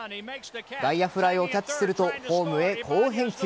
外野フライをキャッチするとホームへ好返球。